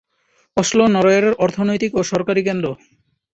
Oslo নরওয়ের অর্থনৈতিক ও সরকারি কেন্দ্র।